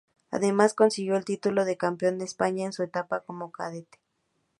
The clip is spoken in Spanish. Además, consiguió el título de campeón de España en su etapa como cadete.